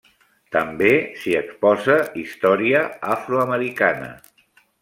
També s'hi exposa història afroamericana.